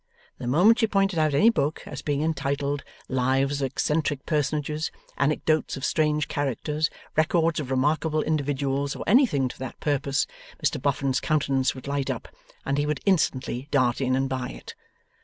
The moment she pointed out any book as being entitled Lives of eccentric personages, Anecdotes of strange characters, Records of remarkable individuals, or anything to that purpose, Mr Boffin's countenance would light up, and he would instantly dart in and buy it.